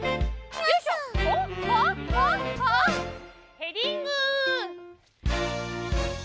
ヘディング！